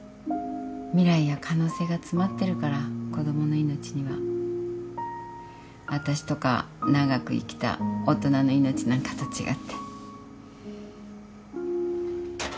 未来や可能性が詰まってるから子供の命には。あたしとか長く生きた大人の命なんかと違って。